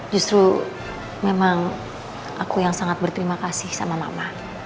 justru memang aku yang sangat berterima kasih sama mama